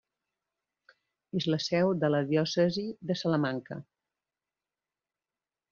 És la seu de la Diòcesi de Salamanca.